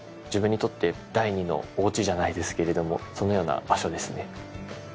自分にとって第二のおうちじゃないですけれどもそのような場所ですね。